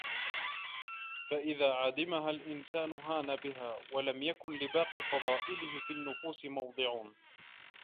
فَإِذَا عَدِمَهَا الْإِنْسَانُ هَانَ بِهَا وَلَمْ يَكُنْ لِبَاقِي فَضَائِلِهِ فِي النُّفُوسِ مَوْضِعٌ